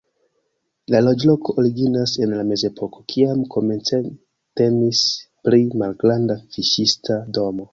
La loĝloko originas en la mezepoko, kiam komence temis pri malgranda fiŝista domo.